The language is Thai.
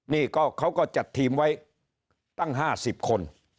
เนี่ยเขาก็จัดทีมไว้ตั้งห้าสิบคน